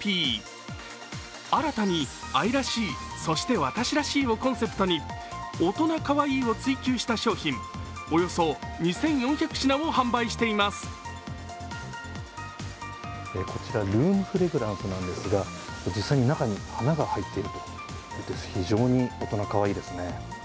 新たに「あいらしいそして私らしい」をコンセプトに、大人かわいいを追求した商品、こちらルームフレグランスなんでずか、実際に中に花が入っている、非常に大人かわいいですね。